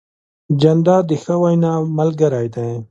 جانداد د ښه وینا ملګری دی.